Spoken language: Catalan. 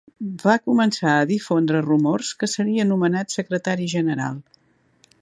Va començar a difondre rumors que seria nomenat secretari general.